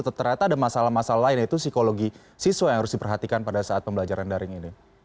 atau ternyata ada masalah masalah lain yaitu psikologi siswa yang harus diperhatikan pada saat pembelajaran daring ini